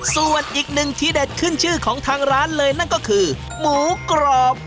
ส่วนอีกหนึ่งทีเด็ดขึ้นชื่อของทางร้านเลยนั่นก็คือหมูกรอบ